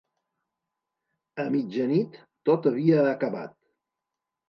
A mitjanit tot havia acabat.